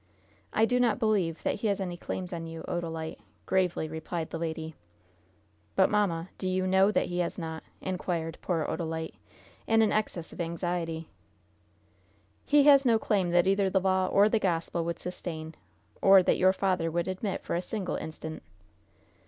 "I do not believe that he has any claims on you, Odalite," gravely replied the lady. "But, mamma, do you know that he has not?" inquired poor Odalite, in an access of anxiety. "He has no claim that either the law or the gospel would sustain, or that your father would admit for a single instant."